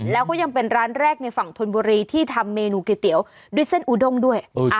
แล้วก็ยังเป็นร้านแรกในฝั่งธนบุรีที่ทำเมนูก๋วยเตี๋ยวด้วยเส้นอูด้งด้วย